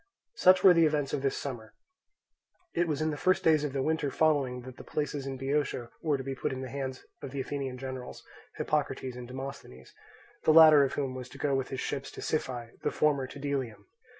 Such were the events of this summer. It was in the first days of the winter following that the places in Boeotia were to be put into the hands of the Athenian generals, Hippocrates and Demosthenes, the latter of whom was to go with his ships to Siphae, the former to Delium.